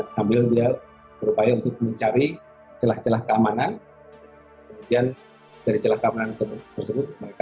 sambil dia berupaya untuk mencari celah celah keamanan kemudian dari celah keamanan tersebut mereka